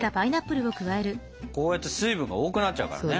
こうやって水分が多くなっちゃうからね。